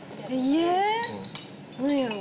何やろ？